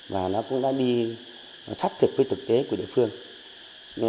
và nó cũng đã đi sát thực với thực tế của địa phương